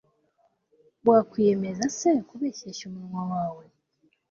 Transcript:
wakwiyemeza se kubeshyeshya umunwa wawe